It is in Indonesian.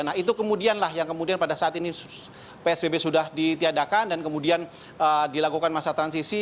nah itu kemudian lah yang kemudian pada saat ini psbb sudah ditiadakan dan kemudian dilakukan masa transisi